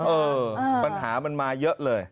เออปัญหามันมาเยอะเลย